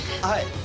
はい。